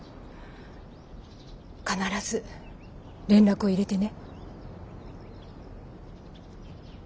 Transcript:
必ず連絡を入れてね。